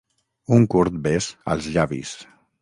Un curt bes als llavis.